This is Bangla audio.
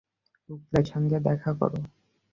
উকিলের সঙ্গে দেখা করব।